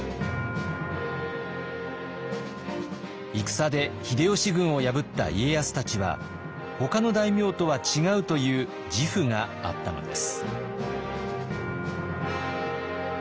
戦で秀吉軍を破った家康たちはほかの大名とは違うという自負があったのです。